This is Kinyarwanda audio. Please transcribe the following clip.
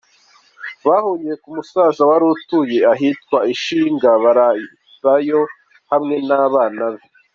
Bahungiye ku musaza wari utuye ahitwa i Shyinga, bararayo hamwe n’abana be.